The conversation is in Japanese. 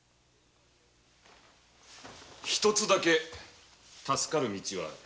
一つだけ助かる道はある。